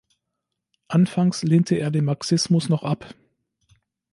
Anfangs lehnte er den Marxismus noch ab.